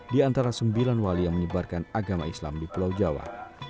di antara sembilan wali yang menyebarkan agama islam di pulau jawa